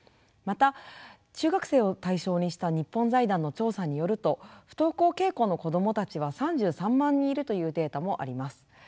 また中学生を対象にした日本財団の調査によると不登校傾向の子どもたちは３３万人いるというデータもあります。